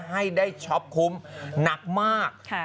ให้ได้ช็อปคุ้มหนักมาก